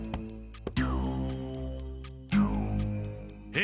え